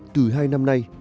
từ hai năm nay